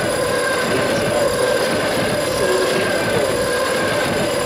Win isxeṛxuṛen, yessawal i imakaren.